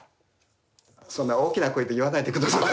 そんな大きな声で言わないでください。